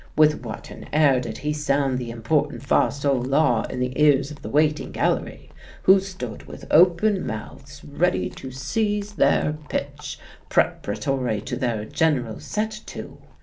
With what an air did he sound the important fa sol la in the ears of the waiting gallery, who stood with open mouths ready to seize their pitch, preparatory to their general set to!